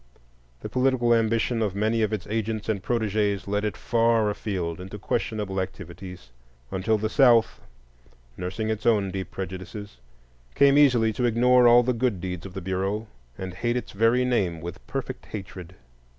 The political ambition of many of its agents and protégés led it far afield into questionable activities, until the South, nursing its own deep prejudices, came easily to ignore all the good deeds of the Bureau and hate its very name with perfect hatred.